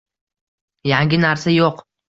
Yangi narsa yo‘q